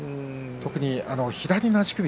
特に左の足首。